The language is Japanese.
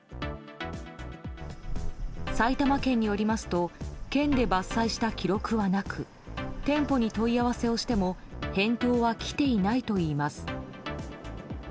埼玉県によりますと県で伐採した記録はなく店舗に問い合わせをしても返答は来ていないといいます。